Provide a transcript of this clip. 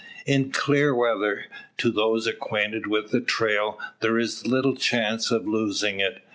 In clear weather, to those acquainted with the trail, there is little chance of losing it.